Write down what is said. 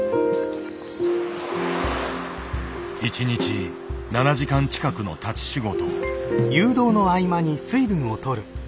１日７時間近くの立ち仕事。